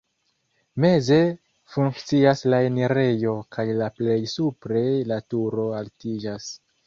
Meze funkcias la enirejo kaj la plej supre la turo altiĝas.